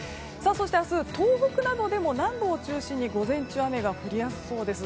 明日、東北などでも南部を中心に午前中、雨が降りやすそうです。